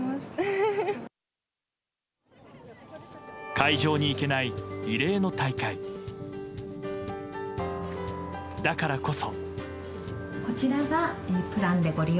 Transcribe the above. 会場に行けない異例の大会だからこそ。